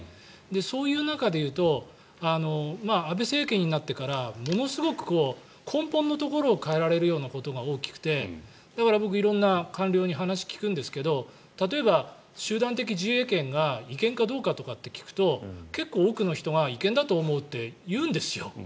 そういう中で言うと安倍政権になってからものすごく根本のところを変えられるようなことが大きくて僕、色んな官僚に話を聞くんですけど例えば、集団的自衛権が違憲かどうかとかって聞くと結構、多くの人が違憲だと思うって言うんですよ。